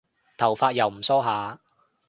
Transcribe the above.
頭髮又唔梳下